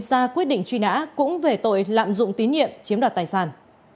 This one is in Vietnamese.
ra quyết định truy nã cũng về tội lạm dụng tín nhiệm chiếm đoạt tài sản